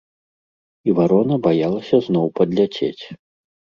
І варона баялася зноў падляцець.